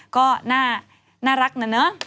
ก็น่ารักนะ